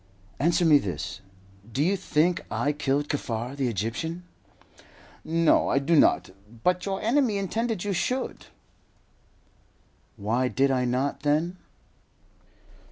"Answer me this. Do you think I killed Kaffar, the Egyptian?" "No, I do not; but your enemy intended you should." "Why did I not, then?"